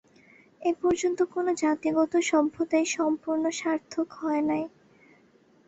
এ পর্যন্ত কোন জাতিগত সভ্যতাই সম্পূর্ণ সার্থক হয় নাই।